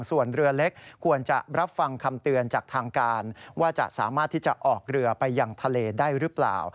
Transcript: ส่วนเรือเล็กควรจะรับฟังคำเตือนจากทางการว่าจะสามารถที่จะออกเรือไปยังทะเลได้หรือเปล่า